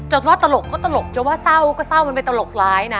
ว่าตลกก็ตลกจะว่าเศร้าก็เศร้ามันเป็นตลกร้ายนะ